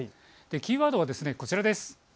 キーワードはこちらです。